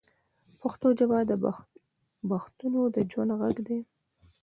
پښتو ژبه د بښتنو د ژوند ږغ دی